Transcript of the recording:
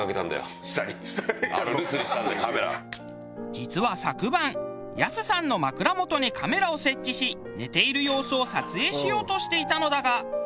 実は昨晩やすさんの枕元にカメラを設置し寝ている様子を撮影しようとしていたのだが